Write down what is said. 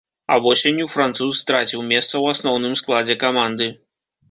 А восенню француз страціў месца ў асноўным складзе каманды.